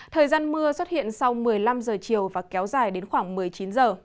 thời gian mưa xuất hiện sau một mươi năm giờ chiều và kéo dài đến khoảng một mươi chín giờ